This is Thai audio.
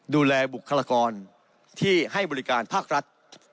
ดูแลบุคลากรที่ให้บริการภาครัฐ